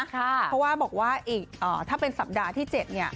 เพราะว่าบอกว่าอีกถ้าเป็นสัปดาห์ที่๗เนี่ย